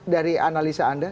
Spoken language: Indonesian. dari analisa anda